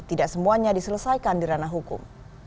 tidak semuanya diselesaikan di ranah hukum